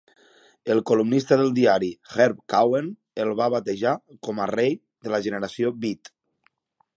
El columnista del diari Herb Cauen el va batejar com a 'Rei de la Generació Beat'.